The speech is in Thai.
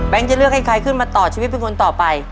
จะเลือกให้ใครขึ้นมาต่อชีวิตเป็นคนต่อไป